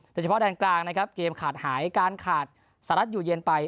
แต่เฉพาะด้านกลางเกมขาดหายการขาดสลัดอยู่เย็นไป